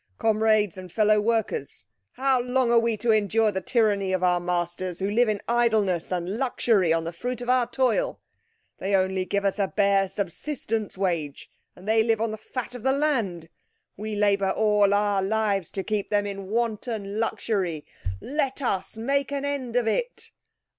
"Comrades and fellow workers, how long are we to endure the tyranny of our masters, who live in idleness and luxury on the fruit of our toil? They only give us a bare subsistence wage, and they live on the fat of the land. We labour all our lives to keep them in wanton luxury. Let us make an end of it!"